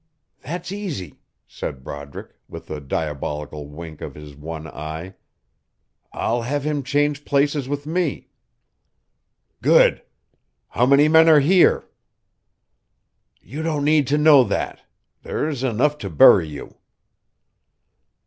"That's easy," said Broderick, with a diabolical wink of his one eye. "I'll have him change places with me." "Good! How many men are here?" "You don't need to know that. There's enough to bury you."